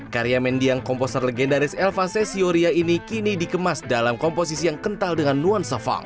karya mendiang komposer legendaris elva cesioria ini kini dikemas dalam komposisi yang kental dengan nuansa funk